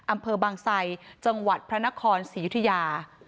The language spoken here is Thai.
อำเภอบางไซจังหวัดพระนครศรียุธยา